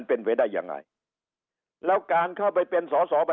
เออมันเป็น๘๑